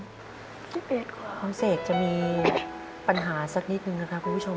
คุณเสกจะมีปัญหาสักนิดนึงนะครับคุณผู้ชม